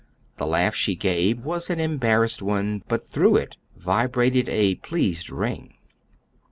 The laugh she gave was an embarrassed one, but through it vibrated a pleased ring.